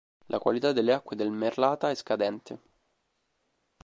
La qualità delle acque del Merlata è scadente.